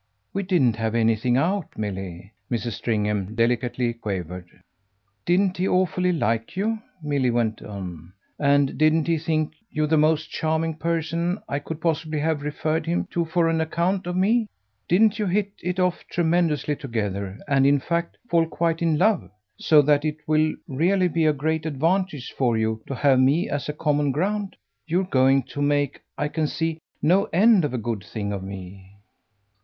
"We didn't have anything 'out,' Milly," Mrs. Stringham delicately quavered. "Didn't he awfully like you," Milly went on, "and didn't he think you the most charming person I could possibly have referred him to for an account of me? Didn't you hit it off tremendously together and in fact fall quite in love, so that it will really be a great advantage for you to have me as a common ground? You're going to make, I can see, no end of a good thing of me."